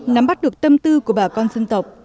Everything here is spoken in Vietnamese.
nắm bắt được tâm tư của bà con dân tộc